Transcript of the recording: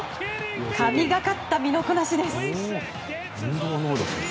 神懸かった身のこなしです。